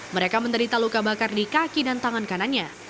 mereka menderita luka bakar di kaki dan tangan kanannya